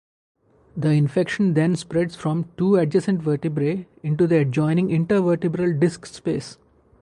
The infection then spreads from two adjacent vertebrae into the adjoining intervertebral disc space.